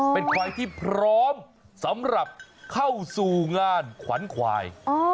เป็นควายที่พร้อมสำหรับเข้าสู่งานขวัญควาย